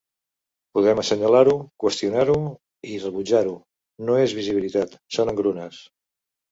Podem assenyalar-ho, qüestionar-ho i rebutjar-ho: no és visibilitat, són engrunes.